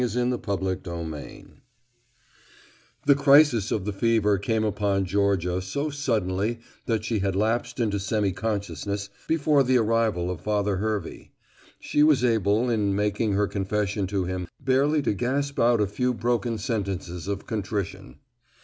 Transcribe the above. XVIII THE PRIEST The crisis of the fever came upon Georgia so suddenly that she had lapsed into semi consciousness before the arrival of Father Hervey. She was able, in making her confession to him, barely to gasp out a few broken sentences of contrition.